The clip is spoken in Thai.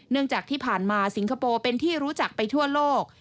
จากที่ผ่านมาสิงคโปร์เป็นที่รู้จักไปทั่วโลก